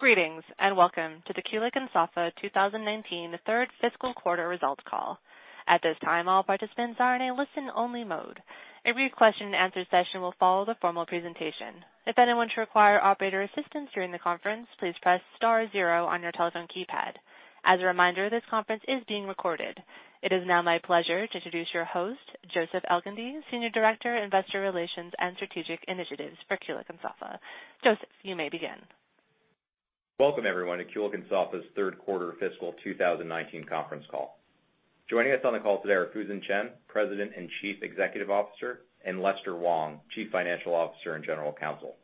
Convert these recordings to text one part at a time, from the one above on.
Greetings, welcome to the Kulicke and Soffa 2019 third fiscal quarter results call. At this time, all participants are in a listen-only mode. A Q&A session will follow the formal presentation. If anyone should require operator assistance during the conference, please press star zero on your telephone keypad. As a reminder, this conference is being recorded. It is now my pleasure to introduce your host, Joseph Elgindy, Senior Director, Investor Relations and Strategic Initiatives for Kulicke and Soffa. Joseph, you may begin. Welcome, everyone, to Kulicke and Soffa's third quarter fiscal 2019 conference call. Joining us on the call today are Fusen Chen, President and Chief Executive Officer, and Lester Wong, Chief Financial Officer and General Counsel.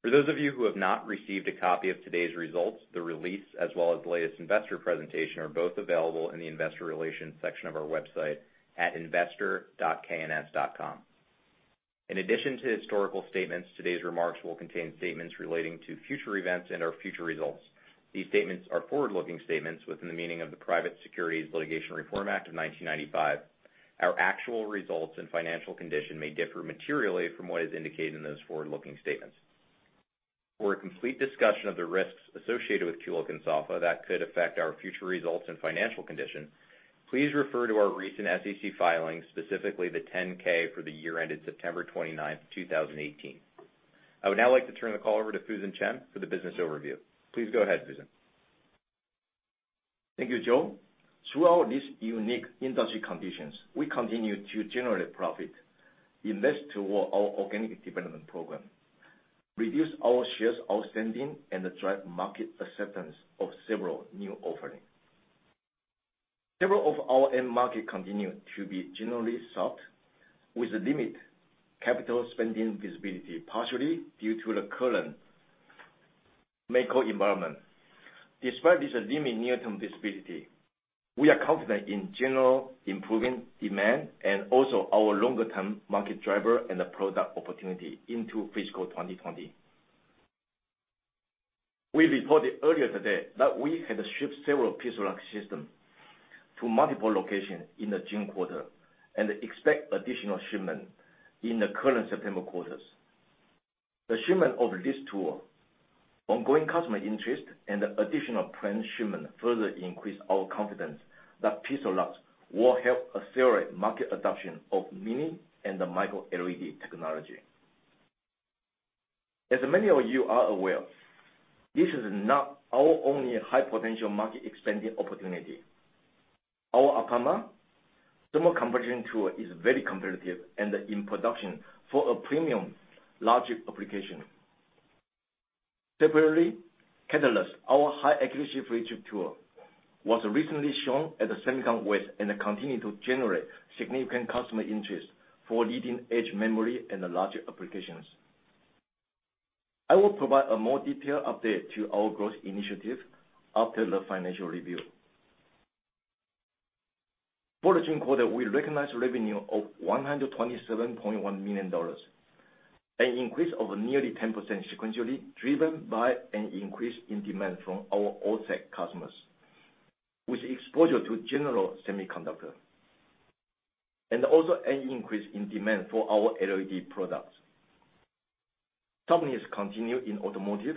For those of you who have not received a copy of today's results, the release, as well as the latest investor presentation, are both available in the investor relations section of our website at investor.kns.com. In addition to historical statements, today's remarks will contain statements relating to future events and/or future results. These statements are forward-looking statements within the meaning of the Private Securities Litigation Reform Act of 1995. Our actual results and financial condition may differ materially from what is indicated in those forward-looking statements. For a complete discussion of the risks associated with Kulicke and Soffa that could affect our future results and financial condition, please refer to our recent SEC filings, specifically the 10-K for the year ended September 29th, 2018. I would now like to turn the call over to Fusen Chen for the business overview. Please go ahead, Fusen. Thank you, Joe. Throughout these unique industry conditions, we continue to generate profit, invest toward our organic development program, reduce our shares outstanding, and drive market acceptance of several new offerings. Several of our end markets continue to be generally soft, with limited capital spending visibility, partially due to the current macro environment. Despite this limited near-term visibility, we are confident in general improving demand and also our longer-term market driver and the product opportunity into fiscal 2020. We reported earlier today that we had shipped several Pixalux systems to multiple locations in the June quarter and expect additional shipments in the current September quarter. The shipment of this tool, ongoing customer interest, and additional planned shipments further increase our confidence that Pixalux will help accelerate market adoption of Mini LED and MicroLED technology. As many of you are aware, this is not our only high-potential market expansion opportunity. Our APAMA thermal compression tool is very competitive and in production for a premium logic application. Separately, Catalyst, our high-accuracy flip chip tool, was recently shown at the SEMICON West and continue to generate significant customer interest for leading-edge memory and logic applications. I will provide a more detailed update to our growth initiatives after the financial review. For the June quarter, we recognized revenue of $127.1 million, an increase of nearly 10% sequentially, driven by an increase in demand from our OSAT customers, with exposure to general semiconductor. Also an increase in demand for our LED products. Strength is continued in automotive,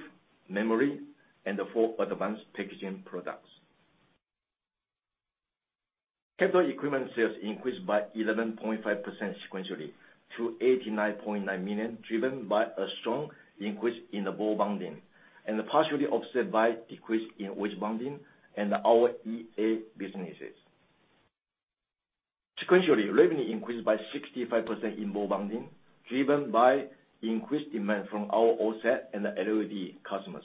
memory, and for advanced packaging products. Capital equipment sales increased by 11.5% sequentially to $89.9 million, driven by a strong increase in the ball bonding and partially offset by decrease in wedge bonding in our EA businesses. Sequentially, revenue increased by 65% in ball bonding, driven by increased demand from our OSAT and LED customers,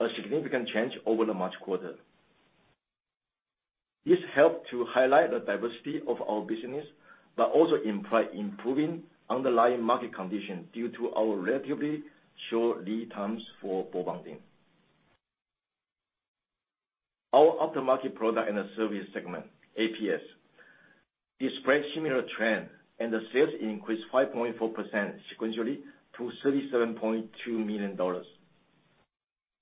a significant change over the March quarter. This helped to highlight the diversity of our business, but also imply improving underlying market conditions due to our relatively short lead times for ball bonding. Our aftermarket product and service segment, APS, displayed similar trends, and the sales increased 5.4% sequentially to $37.2 million.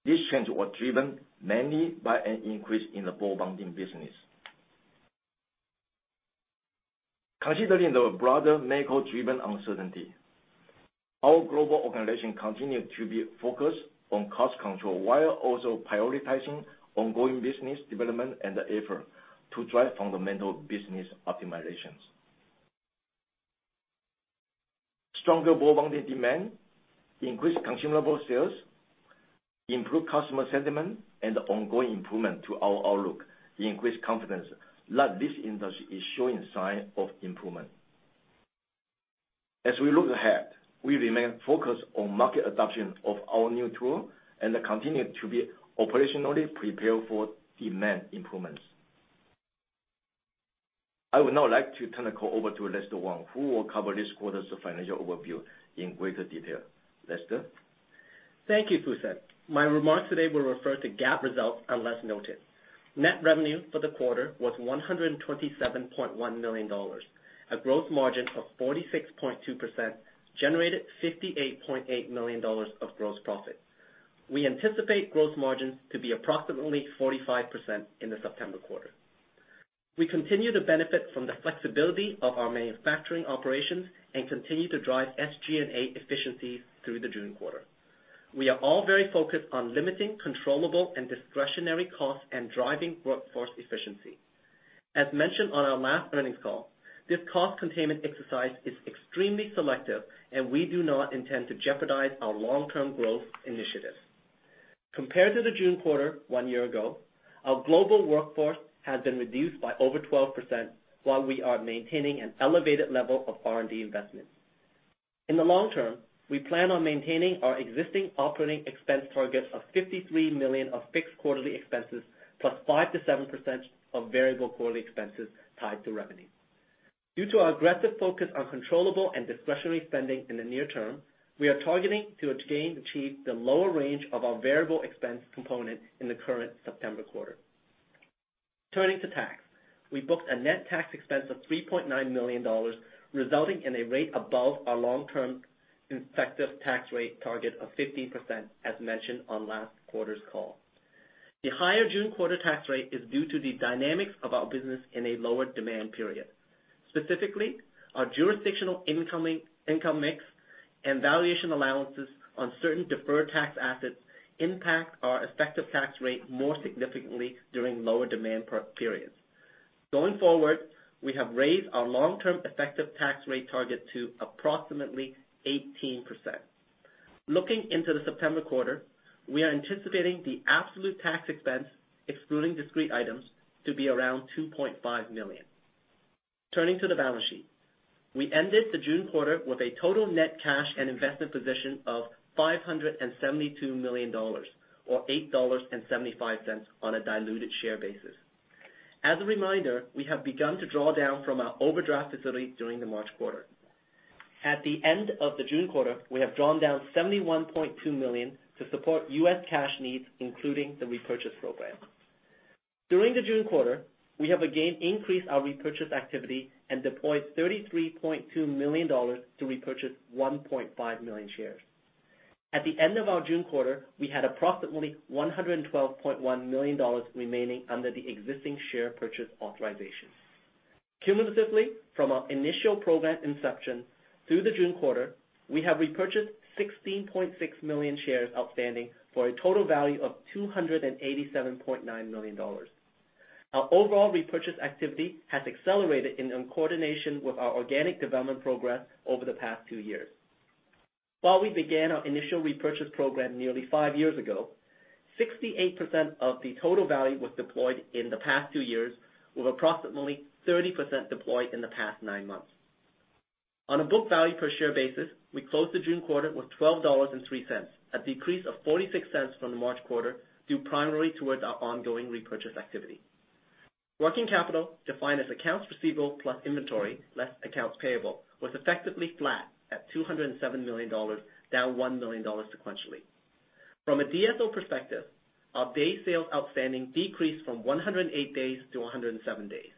These trends were driven mainly by an increase in the ball bonding business. Considering the broader macro-driven uncertainty, our global organization continued to be focused on cost control while also prioritizing ongoing business development and effort to drive fundamental business optimizations. Stronger ball bonding demand, increased consumable sales, improved customer sentiment, and ongoing improvement to our outlook increased confidence that this industry is showing signs of improvement. As we look ahead, we remain focused on market adoption of our new tool and continue to be operationally prepared for demand improvements. I would now like to turn the call over to Lester Wong, who will cover this quarter's financial overview in greater detail. Lester? Thank you, Fusen. My remarks today will refer to GAAP results unless noted. Net revenue for the quarter was $127.1 million. A gross margin of 46.2% generated $58.8 million of gross profit. We anticipate gross margins to be approximately 45% in the September quarter. We continue to benefit from the flexibility of our manufacturing operations and continue to drive SG&A efficiencies through the June quarter. We are all very focused on limiting controllable and discretionary costs and driving workforce efficiency. As mentioned on our last earnings call, this cost containment exercise is extremely selective, and we do not intend to jeopardize our long-term growth initiatives. Compared to the June quarter one year ago, our global workforce has been reduced by over 12%, while we are maintaining an elevated level of R&D investment. In the long term, we plan on maintaining our existing operating expense target of $53 million of fixed quarterly expenses, plus 5%-7% of variable quarterly expenses tied to revenue. Due to our aggressive focus on controllable and discretionary spending in the near term, we are targeting to again achieve the lower range of our variable expense component in the current September quarter. Turning to tax, we booked a net tax expense of $3.9 million, resulting in a rate above our long-term effective tax rate target of 15%, as mentioned on last quarter's call. The higher June quarter tax rate is due to the dynamics of our business in a lower demand period. Specifically, our jurisdictional income mix and valuation allowances on certain deferred tax assets impact our effective tax rate more significantly during lower demand periods. Going forward, we have raised our long-term effective tax rate target to approximately 18%. Looking into the September quarter, we are anticipating the absolute tax expense, excluding discrete items, to be around $2.5 million. Turning to the balance sheet. We ended the June quarter with a total net cash and investment position of $572 million, or $8.75 on a diluted share basis. As a reminder, we have begun to draw down from our overdraft facility during the March quarter. At the end of the June quarter, we have drawn down $71.2 million to support U.S. cash needs, including the repurchase program. During the June quarter, we have again increased our repurchase activity and deployed $33.2 million to repurchase 1.5 million shares. At the end of our June quarter, we had approximately $112.1 million remaining under the existing share purchase authorization. Cumulatively, from our initial program inception through the June quarter, we have repurchased 16.5 million shares outstanding for a total value of $287.9 million. Our overall repurchase activity has accelerated in coordination with our organic development progress over the past two years. While we began our initial repurchase program nearly five years ago, 68% of the total value was deployed in the past two years, with approximately 30% deployed in the past nine months. On a book value per share basis, we closed the June quarter with $12.03, a decrease of $0.46 from the March quarter, due primarily towards our ongoing repurchase activity. Working capital, defined as accounts receivable plus inventory, less accounts payable, was effectively flat at $207 million, down $1 million sequentially. From a DSO perspective, our day sales outstanding decreased from 108 days to 107 days.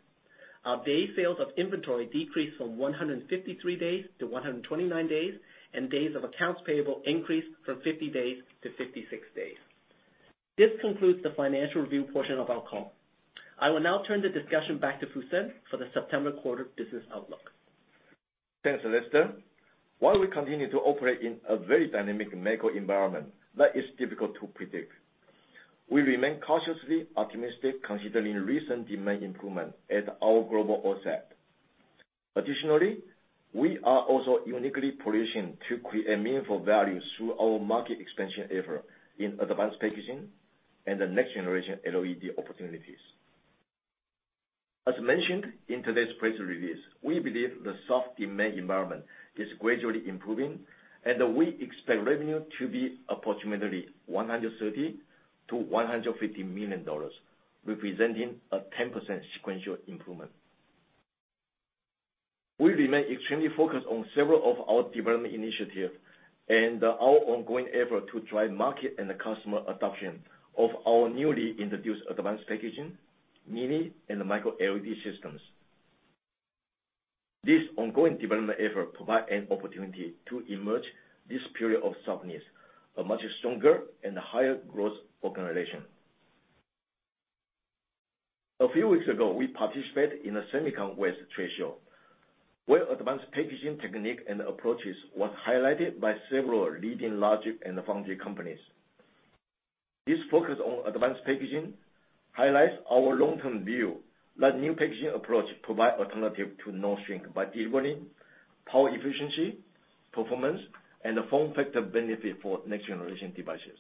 Our day sales of inventory decreased from 153 days to 129 days, and days of accounts payable increased from 50 days to 56 days. This concludes the financial review portion of our call. I will now turn the discussion back to Fusen for the September quarter business outlook. Thanks, Joseph Elgindy. While we continue to operate in a very dynamic macro environment that is difficult to predict, we remain cautiously optimistic considering recent demand improvements at our global OSAT. Additionally, we are also uniquely positioned to create meaningful value through our market expansion effort in advanced packaging and the next-generation LED opportunities. As mentioned in today's press release, we believe the soft demand environment is gradually improving, and we expect revenue to be approximately $130 million-$150 million, representing a 10% sequential improvement. We remain extremely focused on several of our development initiatives and our ongoing effort to drive market and customer adoption of our newly introduced advanced packaging, mini and micro LED systems. This ongoing development effort provides an opportunity to emerge this period of softness, a much stronger and higher growth organization. A few weeks ago, we participated in the SEMICON West trade show, where advanced packaging techniques and approaches was highlighted by several leading logic and foundry companies. This focus on advanced packaging highlights our long-term view that new packaging approach provide alternative to non-shrink by delivering power efficiency, performance, and form factor benefit for next generation devices.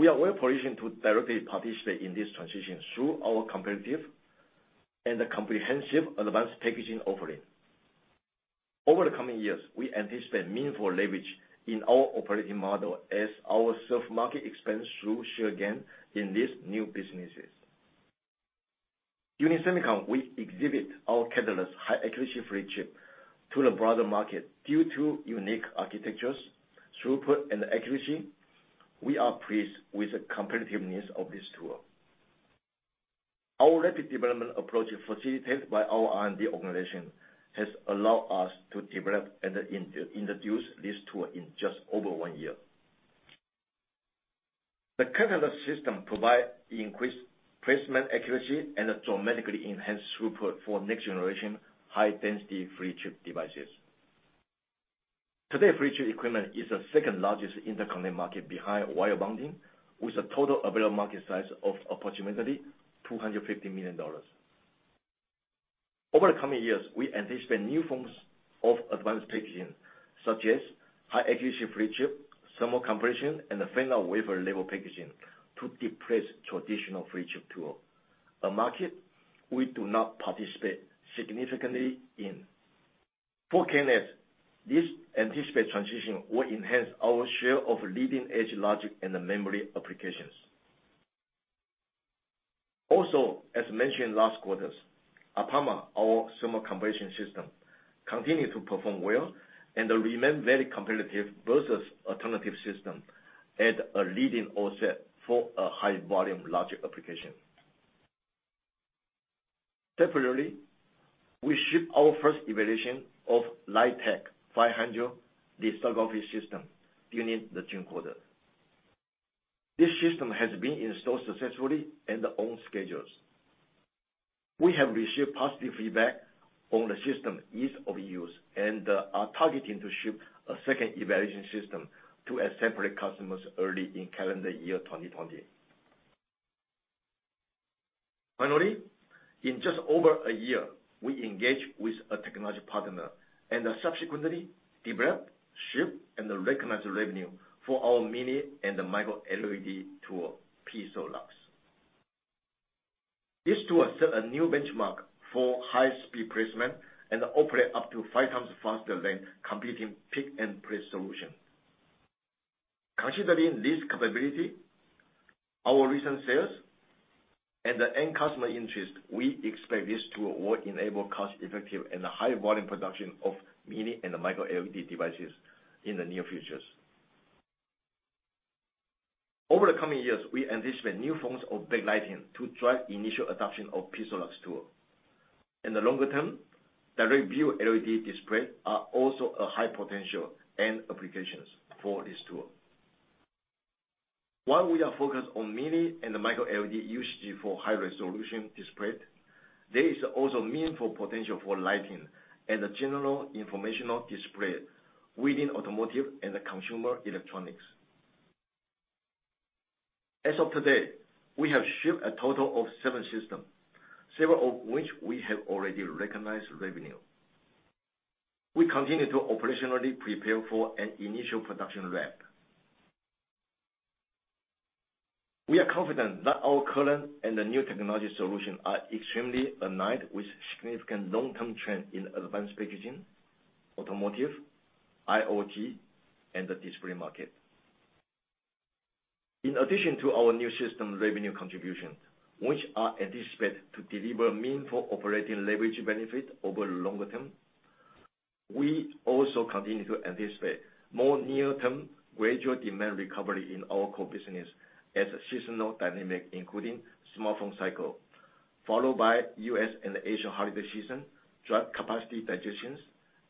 We are well-positioned to directly participate in this transition through our competitive and comprehensive advanced packaging offering. Over the coming years, we anticipate meaningful leverage in our served market expands through share gain in these new businesses. During SEMICON, we exhibit our Catalyst high-accuracy flip chip to the broader market due to unique architectures, throughput, and accuracy. We are pleased with the competitiveness of this tool. Our rapid development approach, facilitated by our R&D organization, has allowed us to develop and introduce this tool in just over one year. The Catalyst system provides increased placement accuracy and dramatically enhanced throughput for next-generation high-density flip chip devices. Today, flip chip equipment is the second largest interconnect market behind wire bonding, with a total available market size of approximately $250 million. Over the coming years, we anticipate new forms of advanced packaging, such as high accuracy flip chip, thermal compression, and fan-out wafer level packaging to depress traditional flip chip tool, a market we do not participate significantly in. For K&S, this anticipated transition will enhance our share of leading-edge logic in the memory applications. As mentioned last quarters, APAMA, our thermal compression system, continue to perform well and remain very competitive versus alternative system as a leading OSAT for a high volume logic application. Separately, we ship our first evaluation of LITEiC 500 lithography system during the June quarter. This system has been installed successfully and on schedules. We have received positive feedback on the system ease of use and are targeting to ship a second evaluation system to a separate customer early in calendar year 2020. In just over a year, we engaged with a technology partner and subsequently developed, shipped, and recognized revenue for our Mini LED and MicroLED tool, Pixalux. This tool set a new benchmark for high-speed placement and operate up to five times faster than competing pick-and-place solution. Considering this capability, our recent sales, and the end customer interest, we expect this tool will enable cost-effective and high volume production of Mini LED and MicroLED devices in the near future. Over the coming years, we anticipate new forms of back lighting to drive initial adoption of Pixalux tool. In the longer term, direct view LED displays are also a high potential end applications for this tool. While we are focused on Mini LED and MicroLED usage for high-resolution display, there is also meaningful potential for lighting and general informational display within automotive and consumer electronics. As of today, we have shipped a total of seven systems, several of which we have already recognized revenue. We continue to operationally prepare for an initial production ramp. We are confident that our current and new technology solutions are extremely aligned with significant long-term trend in advanced packaging, automotive, IoT, and the display market. In addition to our new system revenue contributions, which are anticipated to deliver meaningful operating leverage benefit over longer term, we also continue to anticipate more near-term gradual demand recovery in our core business as a seasonal dynamic, including smartphone cycle, followed by U.S. and Asia holiday season, drive capacity digestion,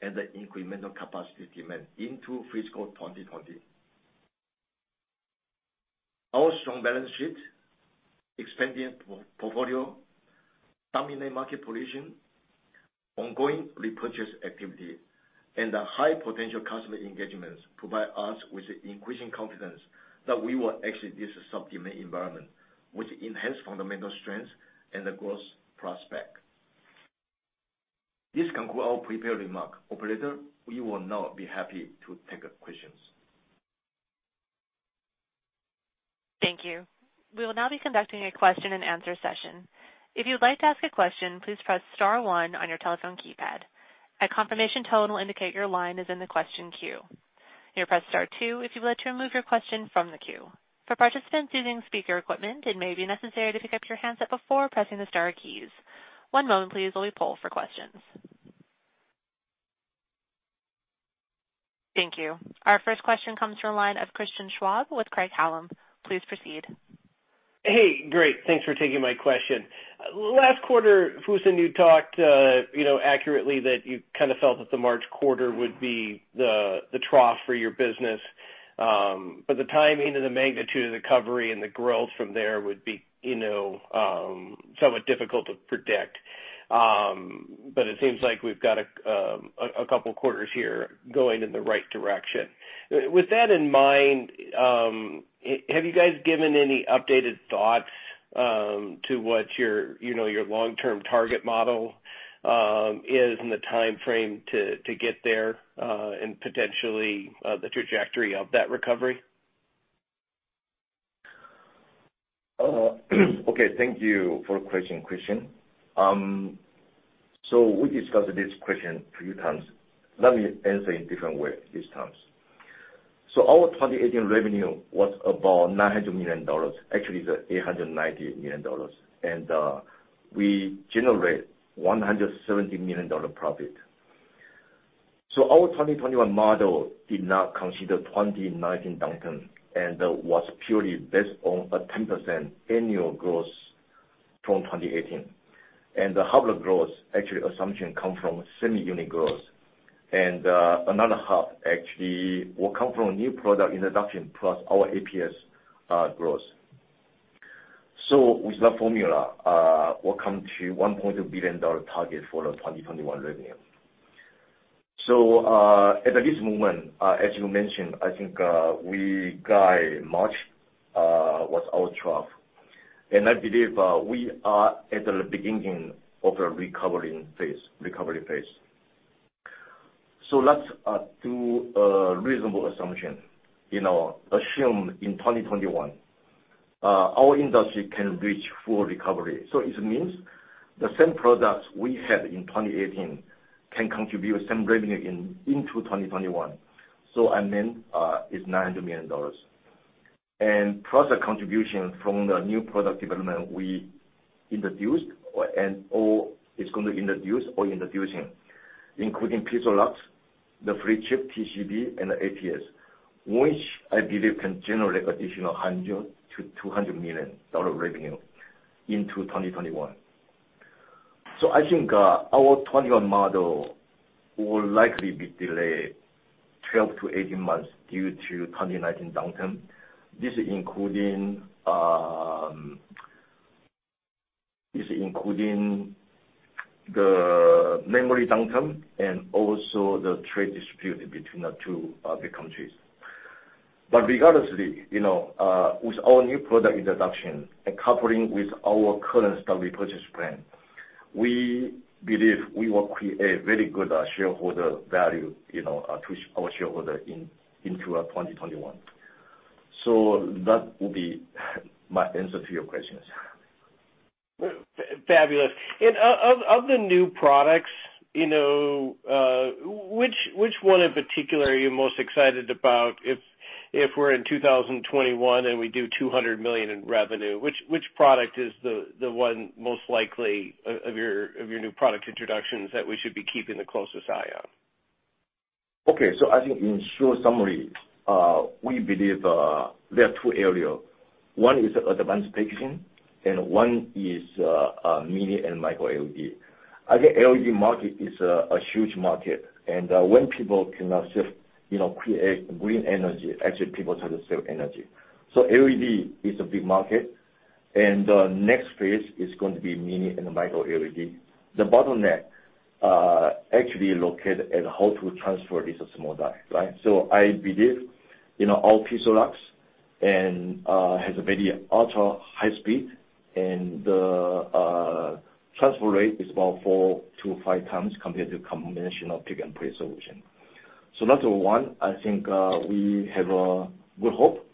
and the incremental capacity demand into fiscal 2020. Our strong balance sheet, expanding portfolio, dominant market position, ongoing repurchase activity, and high potential customer engagements provide us with increasing confidence that we will exit this soft demand environment with enhanced fundamental strength and growth prospect. This concludes our prepared remarks. Operator, we will now be happy to take questions. Thank you. We will now be conducting a question and answer session. If you'd like to ask a question, please press star one on your telephone keypad. A confirmation tone will indicate your line is in the question queue. You may press star two if you'd like to remove your question from the queue. For participants using speaker equipment, it may be necessary to pick up your handset before pressing the star keys. One moment please while we poll for questions. Thank you. Our first question comes from the line of Christian Schwab with Craig-Hallum. Please proceed. Hey, great. Thanks for taking my question. Last quarter, Fusen, you talked accurately that you felt that the March quarter would be the trough for your business. The timing and the magnitude of the recovery and the growth from there would be somewhat difficult to predict. It seems like we've got a couple quarters here going in the right direction. With that in mind, have you guys given any updated thoughts to what your long-term target model is and the timeframe to get there, and potentially, the trajectory of that recovery? Okay. Thank you for the question, Christian. We discussed this question a few times. Let me answer in different way this time. Our 2018 revenue was about $900 million. Actually, it's $898 million. We generate $170 million profit. Our 2021 model did not consider 2019 downturn and was purely based on a 10% annual growth from 2018. The half of the growth, actually assumption come from semi-unit growth. Another half actually will come from new product introduction plus our APS growth. With that formula, we'll come to $1.2 billion target for the 2021 revenue. At this moment, as you mentioned, I think we guide much was our trough. I believe we are at the beginning of a recovery phase. Let's do a reasonable assumption. Assume in 2021, our industry can reach full recovery. It means the same products we had in 2018 can contribute same revenue into 2021. It is $900 million. Plus the contribution from the new product development we introduced and/or is going to introduce or introducing, including Pixalux, the flip-chip TCB, and the APS, which I believe can generate additional $100 million-$200 million revenue into 2021. I think our 2021 model will likely be delayed 12-18 months due to 2019 downturn. This including the memory downturn and also the trade dispute between the two big countries. Regardless, with our new product introduction and coupling with our current stock repurchase plan, we believe we will create very good shareholder value to our shareholder into 2021. That will be my answer to your questions. Fabulous. Of the new products, which one in particular are you most excited about? If we're in 2021 and we do $200 million in revenue, which product is the one most likely, of your new product introductions, that we should be keeping the closest eye on? Okay. I think in short summary, we believe there are two areas. One is advanced packaging, and one is Mini LED and MicroLED. I think LED market is a huge market, and when people cannot create green energy, actually, people try to save energy. LED is a big market, and next phase is going to be Mini LED and MicroLED. The bottleneck actually locate at how to transfer this small die. I believe, our Pixalux has a very ultra-high speed, and the transfer rate is about 4 to 5 times compared to conventional pick-and-place solution. That's one. I think we have a good hope.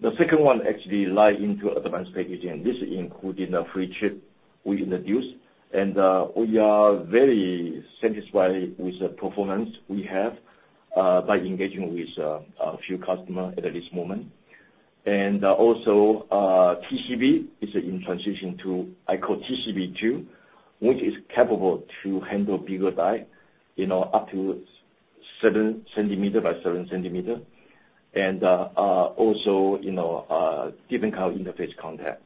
The second one actually lie into advanced packaging, and this including the flip-chip we introduced. We are very satisfied with the performance we have by engaging with a few customer at this moment. Also TCB is in transition to, I call TCB2, which is capable to handle bigger die, up to 7 centimeter by 7 centimeter, and also different kind of interface contact.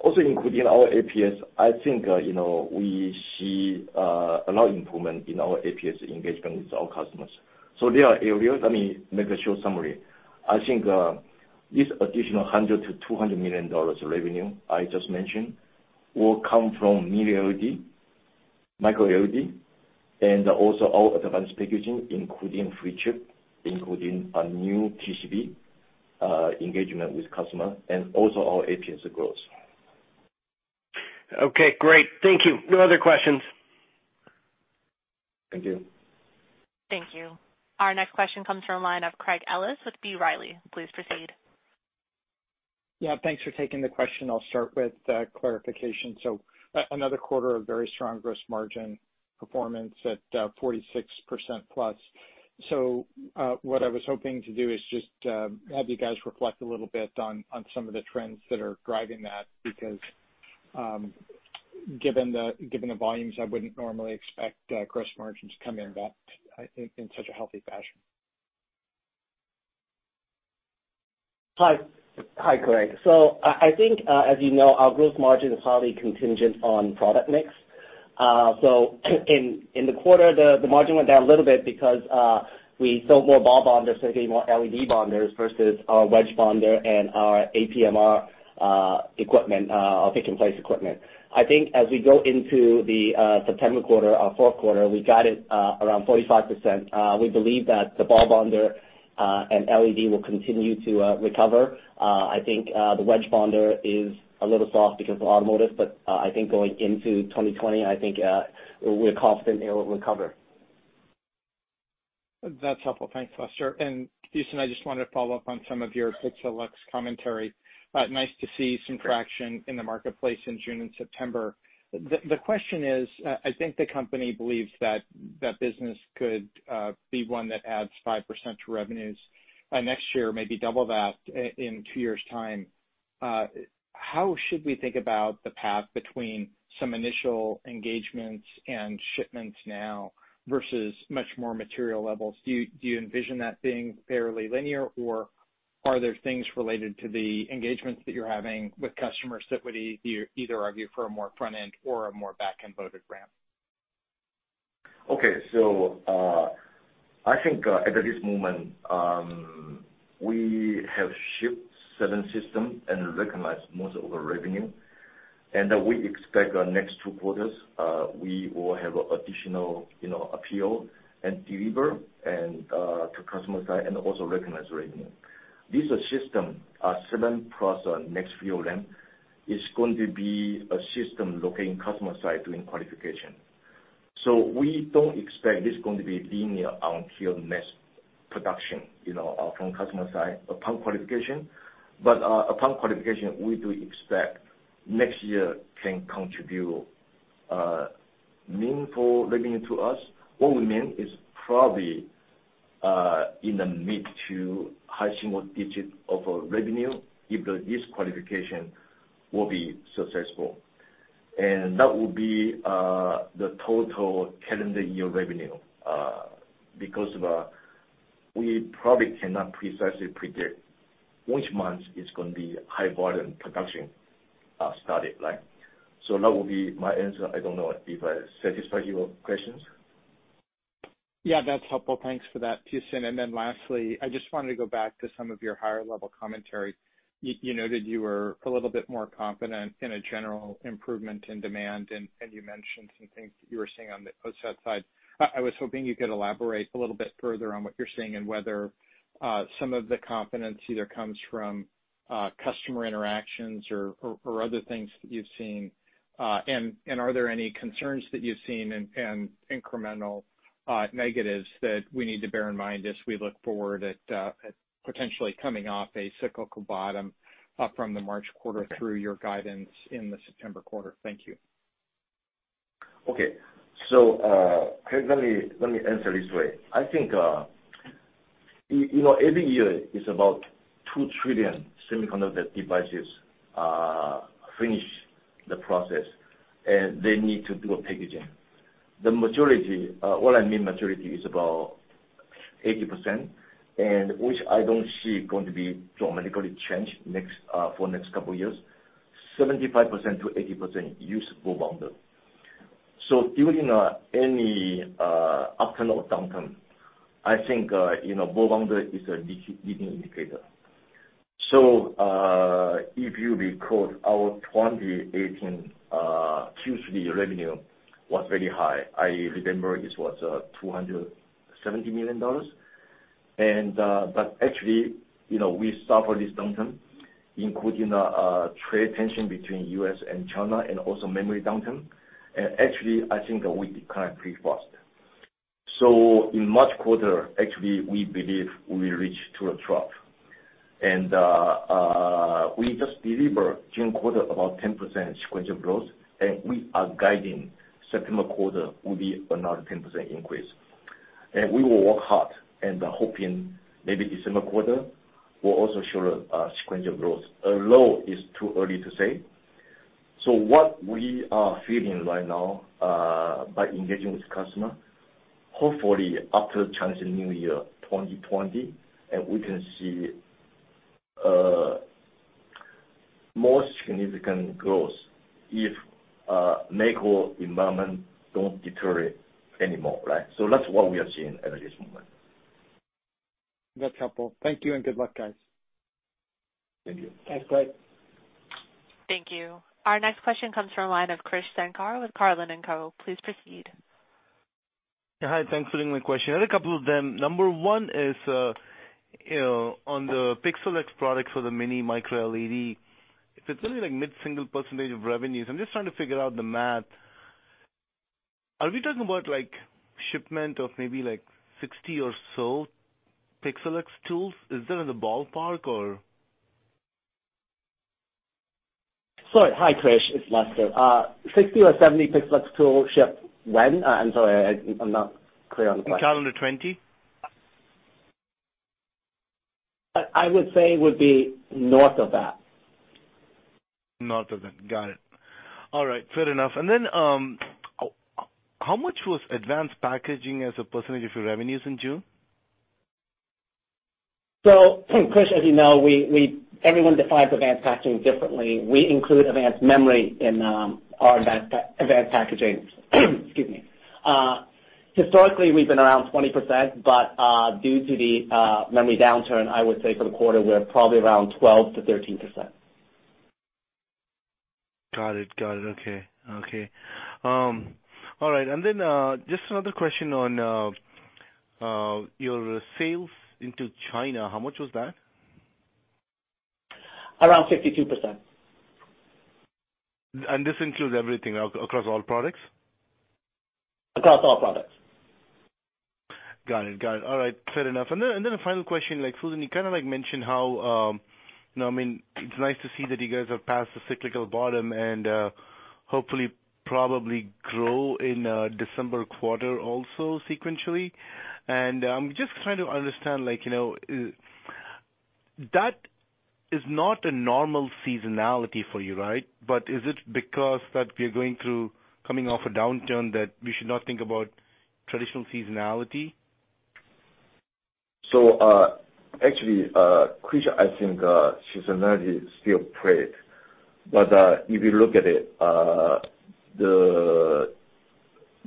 Also including our APS, I think we see a lot improvement in our APS engagement with our customers. There are areas, let me make a short summary. I think this additional $100 million-$200 million of revenue I just mentioned will come from Mini LED, MicroLED, and also our advanced packaging, including flip-chip, including a new TCB engagement with customer and also our APS growth. Okay, great. Thank you. No other questions. Thank you. Thank you. Our next question comes from a line of Craig Ellis with B. Riley. Please proceed. Yeah, thanks for taking the question. I'll start with a clarification. Another quarter of very strong gross margin performance at 46%-plus. What I was hoping to do is just have you guys reflect a little bit on some of the trends that are driving that, because given the volumes, I wouldn't normally expect gross margins to come in that, I think, in such a healthy fashion. Hi, Craig. I think, as you know, our gross margin is highly contingent on product mix. In the quarter, the margin went down a little bit because we sold more ball bonders, basically more LED bonders versus our wedge bonder and our APMR equipment, our pick-and-place equipment. I think as we go into the September quarter, our fourth quarter, we guided around 45%. We believe that the ball bonder and LED will continue to recover. I think the wedge bonder is a little soft because of automotive, I think going into 2020, I think we're confident it will recover. That's helpful. Thanks, Lester. Fusen, I just wanted to follow up on some of your Pixalux commentary. Nice to see some traction in the marketplace in June and September. The question is, I think the company believes that that business could be one that adds 5% to revenues by next year, maybe double that in two years' time. How should we think about the path between some initial engagements and shipments now versus much more material levels? Do you envision that being fairly linear, or are there things related to the engagements that you're having with customers that would either argue for a more front-end or a more back-end loaded ramp? Okay. I think at this moment, we have shipped seven systems and recognized most of our revenue, and we expect our next two quarters, we will have additional appeal and deliver to customer side and also recognize revenue. This system, seven plus next few of them, is going to be a system looking customer side doing qualification. We don't expect this is going to be linear until next production from customer side upon qualification. Upon qualification, we do expect next year can contribute meaningful revenue to us. What we mean is probably in the mid to high single digit of our revenue, if this qualification will be successful. That will be the total calendar year revenue, because we probably cannot precisely predict which month is going to be high volume production started. That will be my answer. I don't know if I satisfy your questions. Yeah, that's helpful. Thanks for that, Fusen. Lastly, I just wanted to go back to some of your higher level commentary. You noted you were a little bit more confident in a general improvement in demand, you mentioned some things that you were seeing on the OSAT side. I was hoping you could elaborate a little bit further on what you're seeing and whether some of the confidence either comes from customer interactions or other things that you've seen. Are there any concerns that you've seen and incremental negatives that we need to bear in mind as we look forward at potentially coming off a cyclical bottom up from the March quarter through your guidance in the September quarter? Thank you. Okay. Let me answer this way. I think every year it's about 2 trillion semiconductor devices finish the process, and they need to do a packaging. The majority, what I mean, majority is about 80%, and which I don't see going to be dramatically changed for next couple of years. 75%-80% use ball bonding. During any upturn or downturn, I think ball bonding is a leading indicator. If you recall, our 2018 Q3 revenue was very high. I remember it was $270 million. Actually, we suffered this downturn, including trade tension between U.S. and China and also memory downturn. Actually, I think we decline pretty fast. In March quarter, actually, we believe we reached to a trough. We just delivered June quarter about 10% sequential growth, and we are guiding September quarter will be another 10% increase. We will work hard and hoping maybe December quarter will also show a sequential growth. Although, it is too early to say. What we are feeling right now, by engaging with customer, hopefully after Chinese New Year 2020, and we can see more significant growth if macro environment don't deteriorate any more. That's what we are seeing at this moment. That's helpful. Thank you and good luck, guys. Thank you. Thanks. Bye. Thank you. Our next question comes from a line of Krish Sankar with TD Cowen. Please proceed. Yeah. Hi. Thanks for taking my question. I had a couple of them. Number one is, on the Pixalux product for the Mini MicroLED. If it's only like mid-single % of revenues, I'm just trying to figure out the math. Are we talking about shipment of maybe 60 or so Pixalux tools? Is that in the ballpark or? Sorry. Hi, Krish, it's Lester. 60 or 70 Pixalux tool ship when? I'm sorry, I'm not clear on the question. In calendar 2020. I would say it would be north of that. North of that. Got it. All right. Fair enough. How much was advanced packaging as a percentage of your revenues in June? Krish, as you know, everyone defines advanced packaging differently. We include advanced memory in our advanced packaging. Excuse me. Historically, we've been around 20%, due to the memory downturn, I would say for the quarter, we're probably around 12%-13%. Got it. Okay. All right. Just another question on your sales into China, how much was that? Around 52%. This includes everything across all products? Across all products. Got it. All right. Fair enough. The final question, Fusen, you kind of mentioned how it's nice to see that you guys are past the cyclical bottom and hopefully probably grow in December quarter also sequentially. I'm just trying to understand. That is not a normal seasonality for you, right? Is it because that we are going through coming off a downturn that we should not think about traditional seasonality? Actually, Krish, I think seasonality still played. But if you look at it, the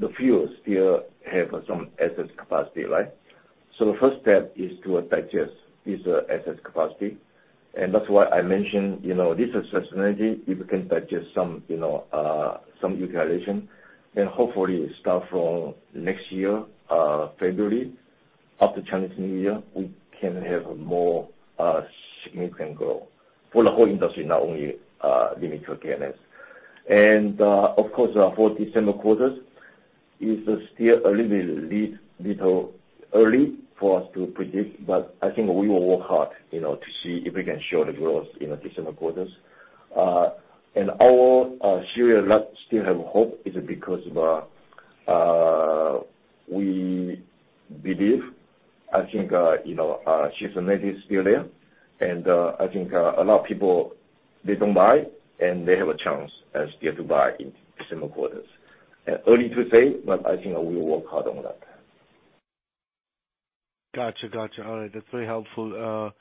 fabs still have some excess capacity, right? The first step is to digest this excess capacity, and that's why I mentioned, this is seasonality. If we can digest some utilization, then hopefully start from next year, February, after Chinese New Year, we can have more significant growth for the whole industry, not only limited to K&S. Of course, for December quarters, it's still a little early for us to predict, but I think we will work hard to see if we can show the growth in December quarters. Our share still have hope is because we believe, I think seasonality is still there, and I think a lot of people, they don't buy, and they have a chance and still to buy in December quarters. Early to say, but I think we will work hard on that. Got you. All right. That's very helpful.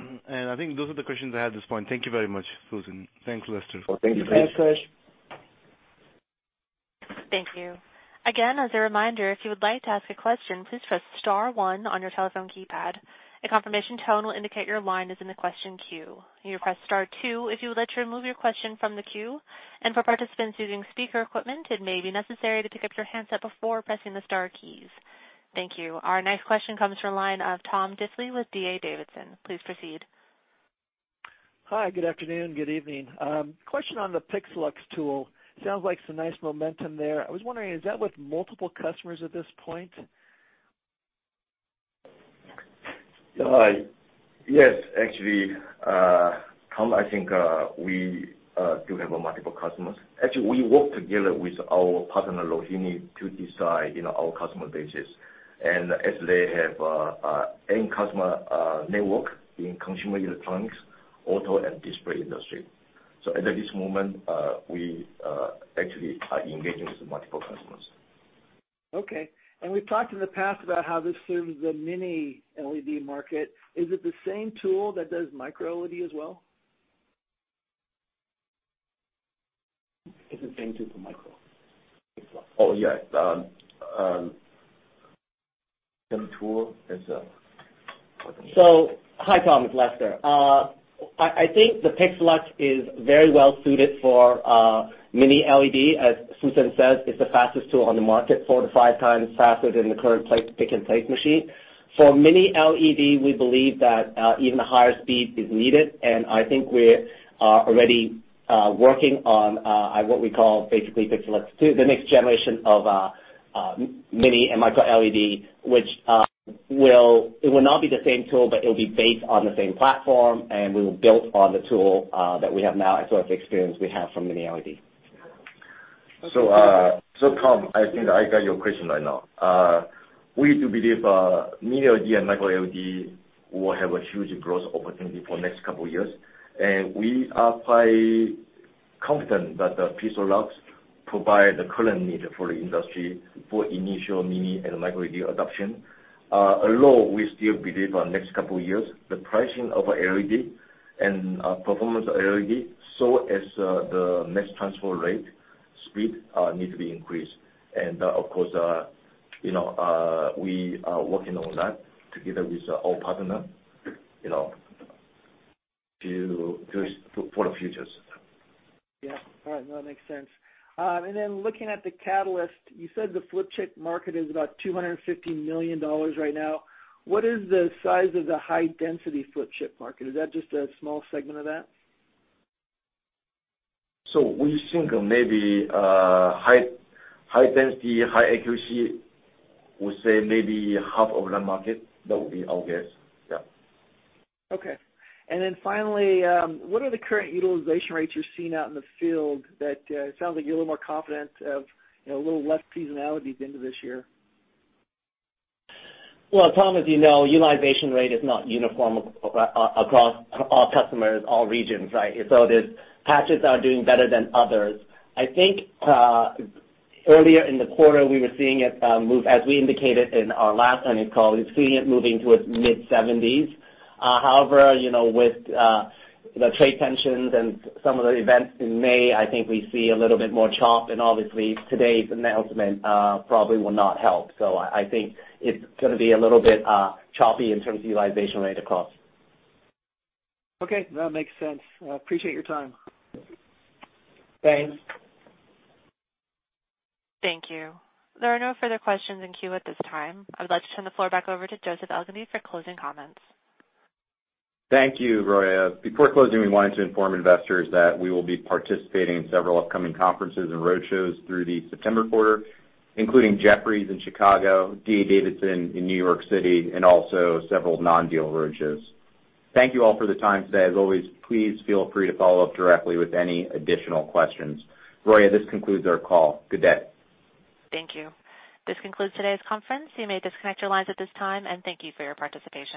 I think those are the questions I have at this point. Thank you very much, Fusen. Thanks, Lester. Thank you. Thanks, Krish. Thank you. Again, as a reminder, if you would like to ask a question, please press star one on your telephone keypad. A confirmation tone will indicate your line is in the question queue. You press star two if you would like to remove your question from the queue. For participants using speaker equipment, it may be necessary to pick up your handset before pressing the star keys. Thank you. Our next question comes from line of Tom Diffely with D.A. Davidson. Please proceed. Hi, good afternoon. Good evening. Question on the Pixalux tool. Sounds like some nice momentum there. I was wondering, is that with multiple customers at this point? Yes. Actually, Tom, I think we do have multiple customers. Actually, we work together with our partner Rohinni to decide our customer bases. As they have end customer network in consumer electronics, auto, and display industry. As of this moment, we actually are engaging with multiple customers. Okay. We've talked in the past about how this serves the Mini LED market. Is it the same tool that does MicroLED as well? It's the same tool for Micro. Oh, yeah. Same tool as a-. Hi, Tom. It's Lester. I think the Pixalux is very well suited for Mini LED. As Fusen says, it's the fastest tool on the market, four to five times faster than the current pick and place machine. For Mini LED, we believe that even higher speed is needed. I think we're already working on what we call basically Pixalux 2, the next generation of Mini and MicroLED, which it will not be the same tool. It will be based on the same platform. We will build on the tool that we have now as well as the experience we have from Mini LED. Tom, I think I got your question right now. We do believe Mini LED and MicroLED will have a huge growth opportunity for next two years, and we are quite confident that the Pixalux provide the current need for the industry for initial Mini LED and MicroLED adoption. We still believe our next two years, the pricing of LED and performance of LED, as the next transfer rate speed need to be increased. Of course, we are working on that together with our partner for the futures. Yeah. All right. No, that makes sense. Then looking at the Catalyst, you said the flip chip market is about $250 million right now. What is the size of the high density flip chip market? Is that just a small segment of that? We think maybe high density, high accuracy, we say maybe half of the market. That would be our guess. Yeah. Okay. Finally, what are the current utilization rates you're seeing out in the field that sounds like you're a little more confident of a little less seasonality at the end of this year? Well, Tom, as you know, utilization rate is not uniform across all customers, all regions, right? There's patches that are doing better than others. I think, earlier in the quarter, we were seeing it move, as we indicated in our last earnings call, we're seeing it moving towards mid-70s. However, with the trade tensions and some of the events in May, I think we see a little bit more chop, and obviously today's announcement probably will not help. I think it's gonna be a little bit choppy in terms of utilization rate across. Okay. That makes sense. I appreciate your time. Thanks. Thank you. There are no further questions in queue at this time. I would like to turn the floor back over to Joseph Elgindy for closing comments. Thank you, Roya. Before closing, we wanted to inform investors that we will be participating in several upcoming conferences and roadshows through the September quarter, including Jefferies in Chicago, D.A. Davidson in New York City, and also several non-deal roadshows. Thank you all for the time today. As always, please feel free to follow up directly with any additional questions. Roya, this concludes our call. Good day. Thank you. This concludes today's conference. You may disconnect your lines at this time, and thank you for your participation.